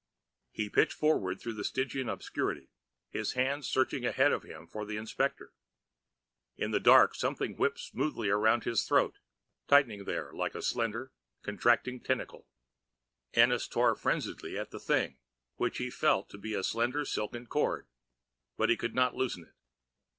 He pitched forward through stygian obscurity, his hands searching ahead of him for the inspector. In the dark something whipped smoothly around his throat, tightened there like a slender, contracting tentacle. Ennis tore frenziedly at the thing, which he felt to be a slender silken cord, but he could not loosen it.